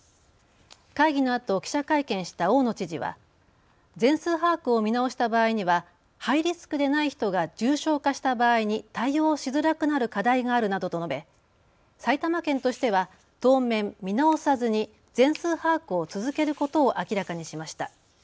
会議のあと記者会見した大野知事は全数把握を見直した場合にはハイリスクでない人が重症化した場合に対応しづらくなる課題があるなどと述べ埼玉県としては当面、見直さずに全数把握を続けることを明らかにしました。